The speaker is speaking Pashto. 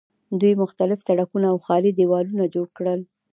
دوی مختلف سړکونه او ښاري دیوالونه جوړ کړل.